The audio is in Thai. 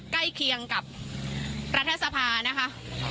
ใกล้เคียงกับรัฐสภานะคะ